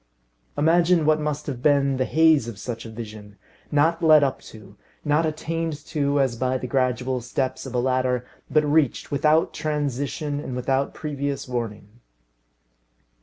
Imagine what must have been the haze of such a vision, not led up to, not attained to as by the gradual steps of a ladder, but reached without transition and without previous warning.